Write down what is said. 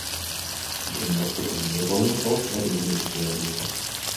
Sie können auch zur Vermehrung und Ausbreitung genutzt werden.